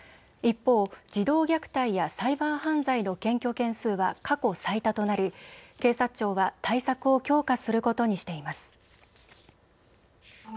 一方、児童虐待やサイバー犯罪の検挙件数は過去最多となり警察庁は対策を強化することにしています。